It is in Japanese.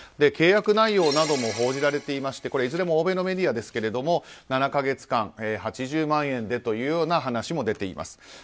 契約内容なども報じられていましていずれも欧米のメディアですが７か月間８０万円でというような話も出ています。